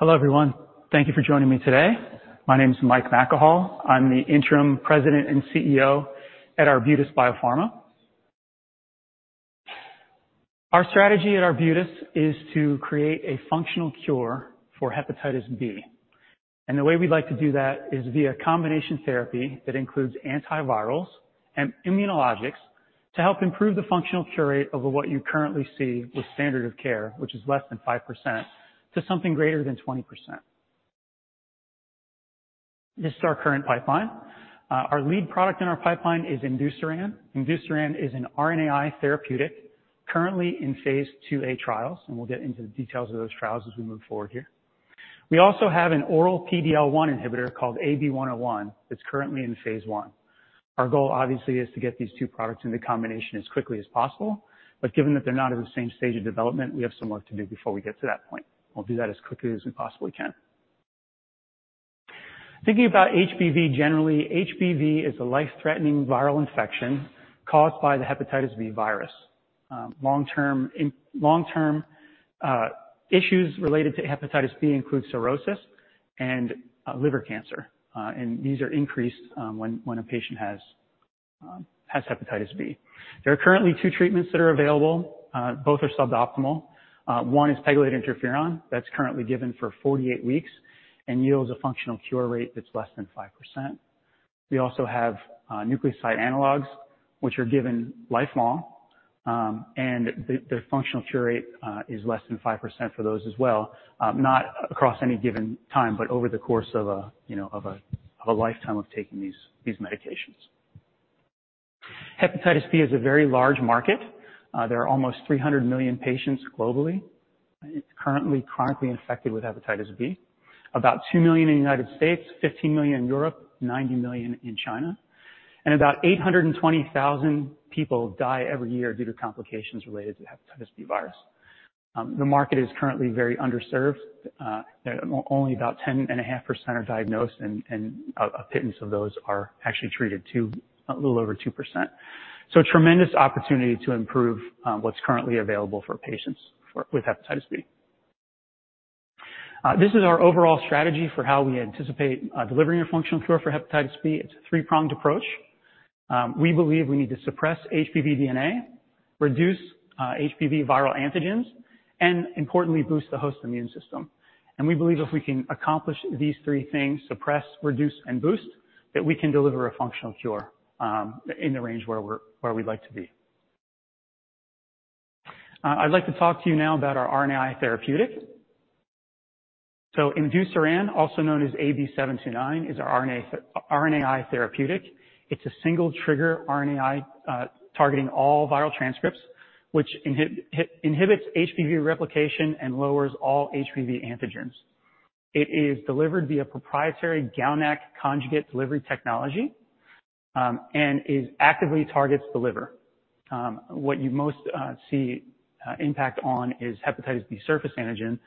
Hello, everyone. Thank you for joining me today. My name is Mike McElhaugh. I'm the Interim President and CEO at Arbutus Biopharma. Our strategy at Arbutus is to create a functional cure for hepatitis B. The way we'd like to do that is via combination therapy that includes antivirals and immunologics to help improve the functional cure rate over what you currently see with standard of care, which is less than 5%, to something greater than 20%. This is our current pipeline. Our lead product in our pipeline is Imdusiran. Imdusiran is an RNAi therapeutic, currently in phase 2A trials, and we'll get into the details of those trials as we move forward here. We also have an oral PD-L1 inhibitor called AB-101. It's currently in phase 1. Our goal, obviously, is to get these two products into combination as quickly as possible, but given that they're not at the same stage of development, we have some work to do before we get to that point. We'll do that as quickly as we possibly can. Thinking about HBV, generally, HBV is a life-threatening viral infection caused by the hepatitis B virus. Long-term issues related to hepatitis B include cirrhosis and liver cancer. And these are increased when a patient has hepatitis B. There are currently two treatments that are available. Both are suboptimal. One is pegylated interferon. That's currently given for 48 weeks and yields a functional cure rate that's less than 5%. We also have nucleoside analogues, which are given lifelong, and the functional cure rate is less than 5% for those as well, not across any given time, but over the course of a, you know, of a lifetime of taking these medications. Hepatitis B is a very large market. There are almost 300 million patients globally, currently chronically infected with hepatitis B. About 2 million in the United States, 15 million in Europe, 90 million in China, and about 820,000 people die every year due to complications related to the hepatitis B virus. The market is currently very underserved. Only about 10.5% are diagnosed, and a pittance of those are actually treated, a little over 2%. So tremendous opportunity to improve what's currently available for patients with hepatitis B. This is our overall strategy for how we anticipate delivering a functional cure for hepatitis B. It's a three-pronged approach. We believe we need to suppress HBV DNA, reduce HBV viral antigens, and importantly, boost the host immune system. And we believe if we can accomplish these three things: suppress, reduce, and boost, that we can deliver a functional cure in the range where we'd like to be. I'd like to talk to you now about our RNAi therapeutic. So imdusiran, also known as AB-729, is our RNAi therapeutic. It's a single trigger RNAi targeting all viral transcripts, which inhibits HBV replication and lowers all HBV antigens. It is delivered via proprietary GalNAc conjugate delivery technology, and it actively targets the liver. What you most see impact on is hepatitis B surface antigen,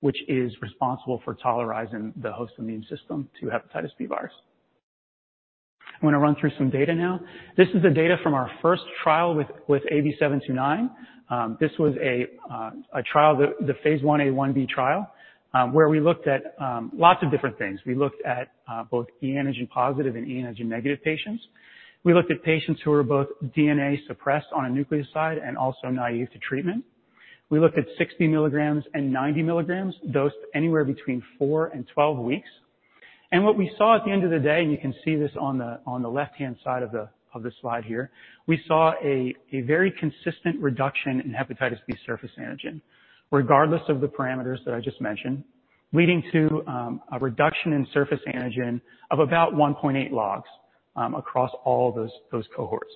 which is responsible for tolerizing the host immune system to hepatitis B virus. I'm going to run through some data now. This is the data from our first trial with AB-729. This was a trial, the Phase 1a/1b trial, where we looked at lots of different things. We looked at both e antigen positive and e antigen negative patients. We looked at patients who were both DNA suppressed on a nucleoside and also naive to treatment. We looked at 60 milligrams and 90 milligrams, dosed anywhere between 4 and 12 weeks. What we saw at the end of the day, and you can see this on the left-hand side of the slide here, we saw a very consistent reduction in hepatitis B surface antigen, regardless of the parameters that I just mentioned, leading to a reduction in surface antigen of about 1.8 logs, across all those cohorts.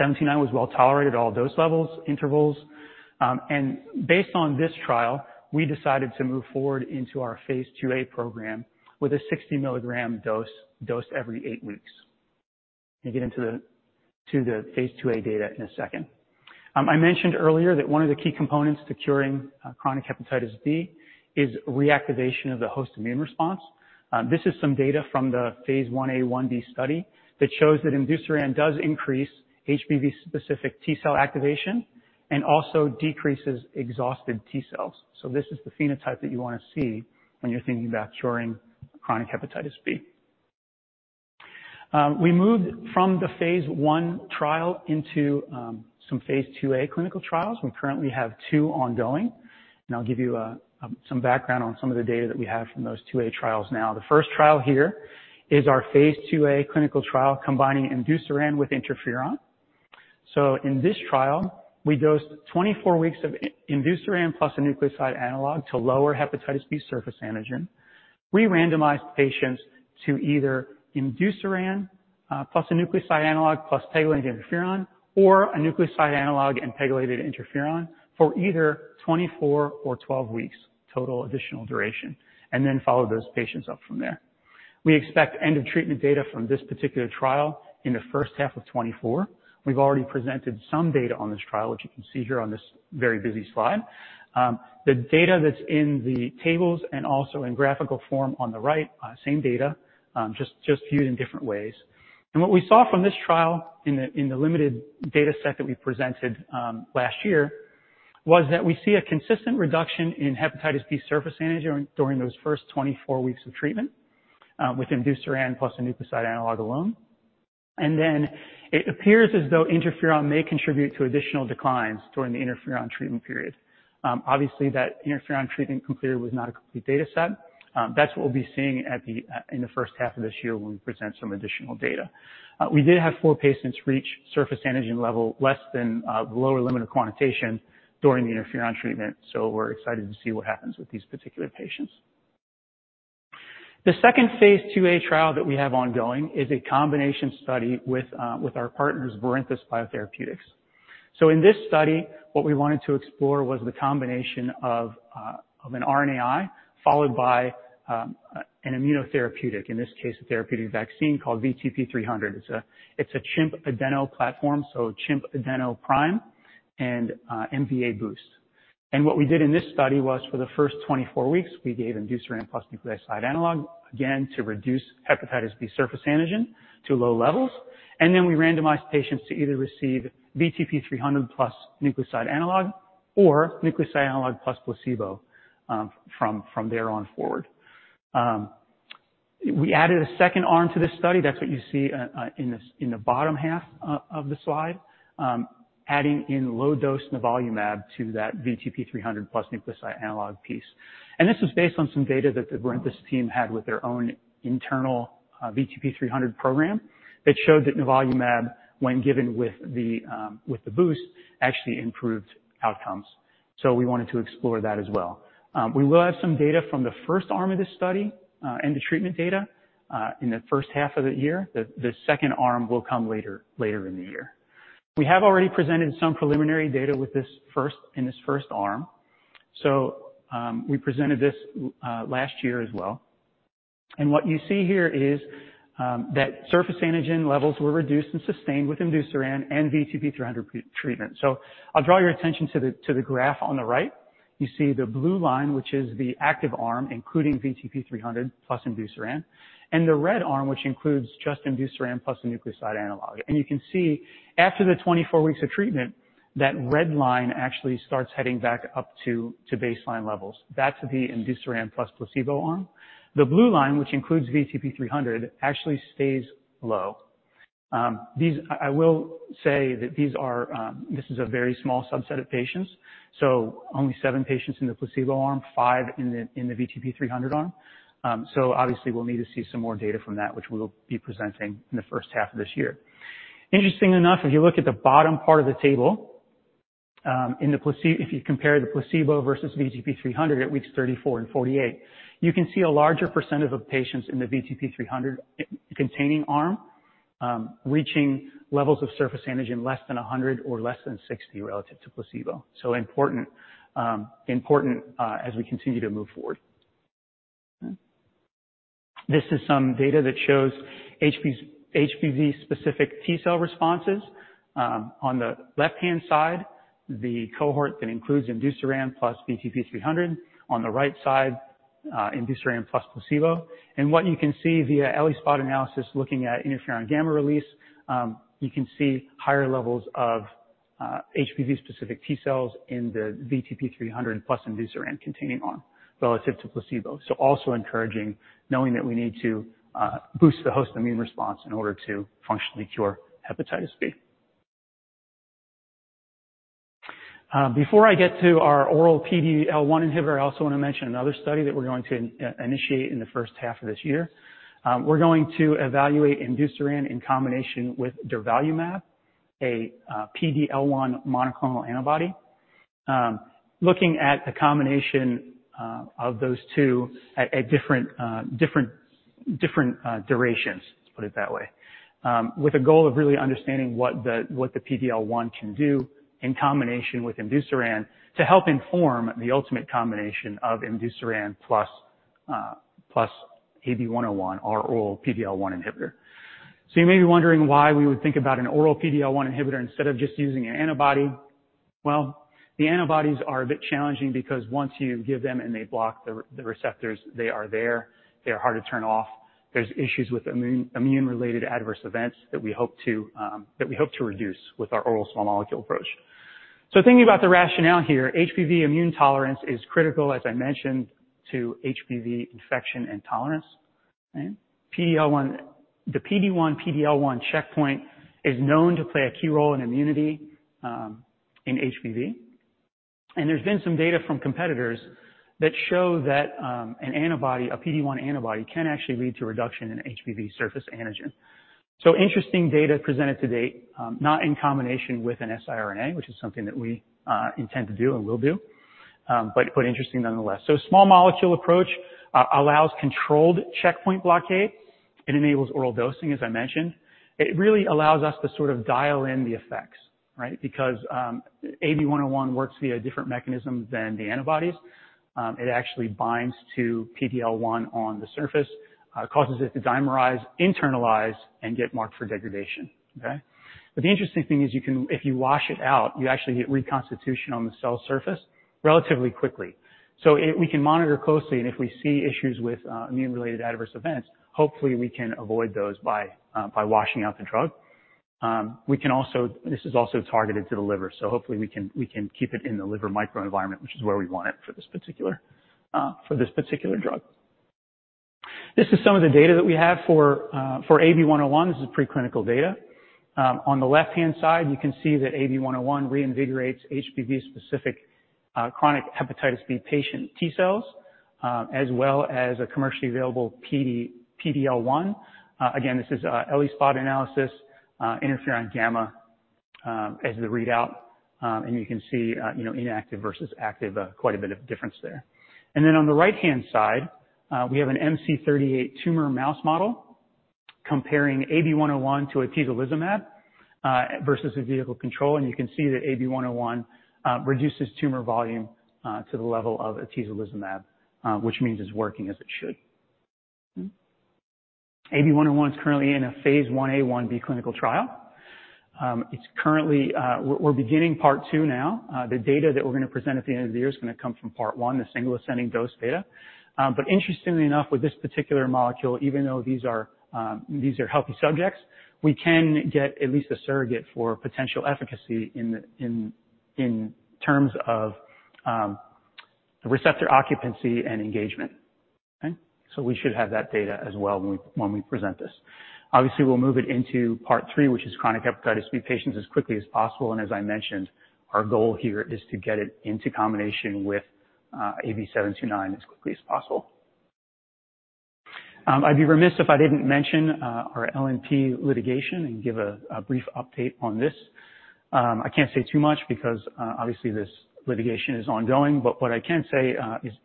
AB-729 was well tolerated at all dose levels, intervals, and based on this trial, we decided to move forward into our phase 2A program with a 60 milligram dose, dosed every 8 weeks. We'll get into the phase 2A data in a second. I mentioned earlier that one of the key components to curing chronic hepatitis B is reactivation of the host immune response. This is some data from the phase 1A/1B study that shows that imdusiran does increase HBV-specific T-cell activation and also decreases exhausted T cells. So this is the phenotype that you want to see when you're thinking about curing chronic hepatitis B. We moved from the phase 1 trial into some phase 2A clinical trials. We currently have two ongoing, and I'll give you some background on some of the data that we have from those 2A trials now. The first trial here is our phase 2A clinical trial, combining imdusiran with interferon. So in this trial, we dosed 24 weeks of imdusiran plus a nucleoside analog to lower hepatitis B surface antigen. We randomized patients to either imdusiran, plus a nucleoside analog, plus pegylated interferon, or a nucleoside analog and pegylated interferon for either 24 or 12 weeks, total additional duration, and then followed those patients up from there. We expect end-of-treatment data from this particular trial in the first half of 2024. We've already presented some data on this trial, which you can see here on this very busy slide. The data that's in the tables and also in graphical form on the right, same data, just viewed in different ways. And what we saw from this trial in the limited data set that we presented last year was that we see a consistent reduction in hepatitis B surface antigen during those first 24 weeks of treatment with imdusiran plus a nucleoside analog alone. Then it appears as though interferon may contribute to additional declines during the interferon treatment period. Obviously, that interferon treatment completed was not a complete data set. That's what we'll be seeing in the first half of this year when we present some additional data. We did have 4 patients reach surface antigen level less than the lower limit of quantitation during the interferon treatment, so we're excited to see what happens with these particular patients. The second phase 2A trial that we have ongoing is a combination study with our partners, Barinthus Biotherapeutics. In this study, what we wanted to explore was the combination of an RNAi, followed by an immunotherapeutic, in this case, a therapeutic vaccine called VTP-300. It's a chimp adeno platform, so chimp adeno prime and MVA boost. And what we did in this study was, for the first 24 weeks, we gave imdusiran plus nucleoside analog, again, to reduce hepatitis B surface antigen to low levels, and then we randomized patients to either receive VTP-300 plus nucleoside analog or nucleoside analog plus placebo, from there on forward. We added a second arm to this study, that's what you see in the bottom half of the slide. Adding in low dose nivolumab to that VTP-300 plus nucleoside analog piece. And this was based on some data that the Barinthus team had with their own internal VTP-300 program. It showed that nivolumab, when given with the boost, actually improved outcomes, so we wanted to explore that as well. We will have some data from the first arm of this study, and the treatment data, in the first half of the year. The second arm will come later, later in the year. We have already presented some preliminary data with this first, in this first arm. So, we presented this last year as well. And what you see here is that surface antigen levels were reduced and sustained with imdusiran and VTP-300 p-treatment. So I'll draw your attention to the graph on the right. You see the blue line, which is the active arm, including VTP-300 plus imdusiran, and the red arm, which includes just imdusiran plus the nucleoside analog. And you can see after the 24 weeks of treatment, that red line actually starts heading back up to baseline levels. That's the imdusiran plus placebo arm. The blue line, which includes VTP-300, actually stays low. These, I will say that these are a very small subset of patients, so only 7 patients in the placebo arm, 5 in the VTP-300 arm. So obviously, we'll need to see some more data from that, which we'll be presenting in the first half of this year. Interestingly enough, if you look at the bottom part of the table, if you compare the placebo versus VTP-300 at weeks 34 and 48, you can see a larger percentage of patients in the VTP-300-containing arm, reaching levels of surface antigen less than 100 or less than 60 relative to placebo. So important as we continue to move forward. This is some data that shows HBV-specific T-cell responses. On the left-hand side, the cohort that includes imdusiran plus VTP-300. On the right side, imdusiran plus placebo. And what you can see via ELISpot analysis, looking at interferon gamma release, you can see higher levels of, HBV-specific T-cells in the VTP-300 plus imdusiran containing arm relative to placebo. So also encouraging, knowing that we need to, boost the host immune response in order to functionally cure hepatitis B. Before I get to our oral PD-L1 inhibitor, I also want to mention another study that we're going to, initiate in the first half of this year. We're going to evaluate imdusiran in combination with durvalumab, a, PD-L1 monoclonal antibody. Looking at the combination of those two at different durations, let's put it that way. With the goal of really understanding what the PD-L1 can do in combination with imdusiran, to help inform the ultimate combination of imdusiran plus AB-101, our oral PD-L1 inhibitor. So you may be wondering why we would think about an oral PD-L1 inhibitor instead of just using an antibody. Well, the antibodies are a bit challenging because once you give them and they block the receptors, they are there, they are hard to turn off. There's issues with immune-related adverse events that we hope to reduce with our oral small molecule approach. So thinking about the rationale here, HBV immune tolerance is critical, as I mentioned, to HBV infection and tolerance. Okay? PD-L1, the PD-1, PD-L1 checkpoint is known to play a key role in immunity, in HBV. And there's been some data from competitors that show that, an antibody, a PD-1 antibody, can actually lead to a reduction in HBV surface antigen. So interesting data presented to date, not in combination with an siRNA, which is something that we, intend to do and will do, but quite interesting nonetheless. So small molecule approach, allows controlled checkpoint blockade and enables oral dosing, as I mentioned. It really allows us to sort of dial in the effects, right? Because, AB-101 works via a different mechanism than the antibodies. It actually binds to PD-L1 on the surface, causes it to dimerize, internalize, and get marked for degradation. Okay? But the interesting thing is you can, if you wash it out, you actually get reconstitution on the cell surface... relatively quickly. So it, we can monitor closely, and if we see issues with immune-related adverse events, hopefully we can avoid those by washing out the drug. We can also. This is also targeted to the liver, so hopefully we can keep it in the liver microenvironment, which is where we want it for this particular drug. This is some of the data that we have for AB-101. This is preclinical data. On the left-hand side, you can see that AB-101 reinvigorates HBV-specific chronic hepatitis B patient T cells as well as a commercially available PD-L1. Again, this is ELISpot analysis, interferon gamma as the readout. And you can see, you know, inactive versus active, quite a bit of difference there. And then on the right-hand side, we have an MC38 tumor mouse model comparing AB-101 to atezolizumab, versus a vehicle control. And you can see that AB-101 reduces tumor volume to the level of atezolizumab, which means it's working as it should. AB-101 is currently in a phase 1A, 1B clinical trial. It's currently, we're beginning part 2 now. The data that we're going to present at the end of the year is going to come from part 1, the single ascending dose data. But interestingly enough, with this particular molecule, even though these are healthy subjects, we can get at least a surrogate for potential efficacy in terms of the receptor occupancy and engagement. Okay? So we should have that data as well when we present this. Obviously, we'll move it into Part 3, which is chronic hepatitis B patients, as quickly as possible. And as I mentioned, our goal here is to get it into combination with AB-729 as quickly as possible. I'd be remiss if I didn't mention our LNP litigation and give a brief update on this. I can't say too much because obviously this litigation is ongoing, but what I can say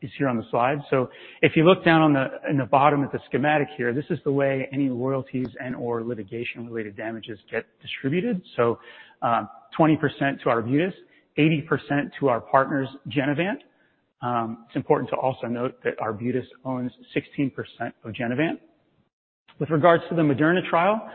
is here on the slide. So if you look down on the, in the bottom at the schematic here, this is the way any royalties and or litigation-related damages get distributed. So, 20% to Arbutus, 80% to our partners, Genevant. It's important to also note that Arbutus owns 16% of Genevant. With regards to the Moderna trial,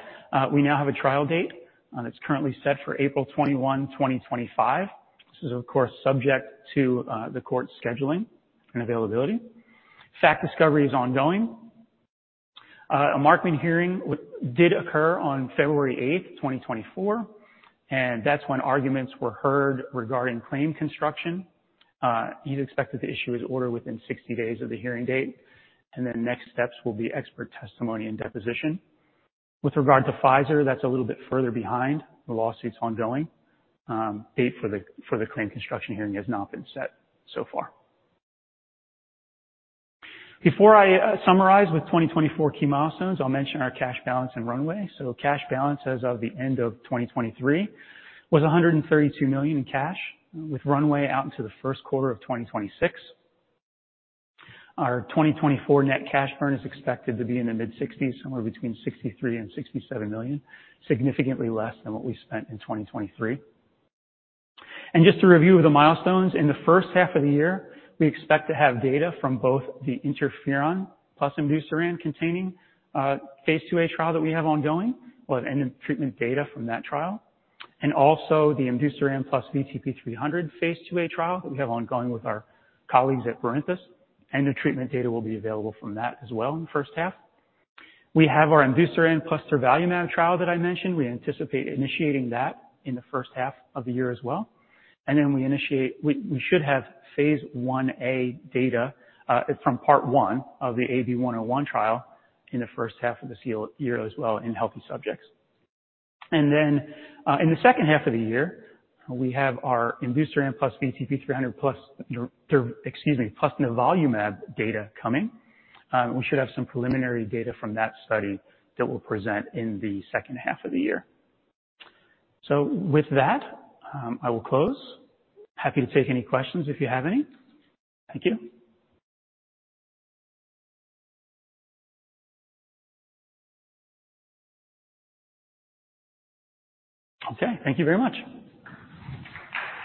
we now have a trial date, and it's currently set for April 21, 2025. This is, of course, subject to, the court's scheduling and availability. Fact discovery is ongoing. A Markman hearing did occur on February 8, 2024, and that's when arguments were heard regarding claim construction. You'd expect that the issue is ordered within 60 days of the hearing date, and then next steps will be expert testimony and deposition. With regard to Pfizer, that's a little bit further behind. The lawsuit's ongoing. Date for the claim construction hearing has not been set so far. Before I summarize with 2024 key milestones, I'll mention our cash balance and runway. Cash balance as of the end of 2023 was $132 million in cash, with runway out into the first quarter of 2026. Our 2024 net cash burn is expected to be in the mid-60s, somewhere between $63-$67 million, significantly less than what we spent in 2023. Just to review the milestones, in the first half of the year, we expect to have data from both the interferon plus imdusiran-containing phase 2A trial that we have ongoing. We'll have end of treatment data from that trial, and also the imdusiran plus VTP-300 phase 2A trial that we have ongoing with our colleagues at Barinthus, and the treatment data will be available from that as well in the first half. We have our imdusiran plus nivolumab trial that I mentioned. We anticipate initiating that in the first half of the year as well. We should have phase 1A data from part one of the AB-101 trial in the first half of this year as well, in healthy subjects. And then, in the second half of the year, we have our imdusiran plus VTP-300 plus dur-- excuse me, plus nivolumab data coming. We should have some preliminary data from that study that we'll present in the second half of the year. With that, I will close. Happy to take any questions if you have any. Thank you. Okay, thank you very much.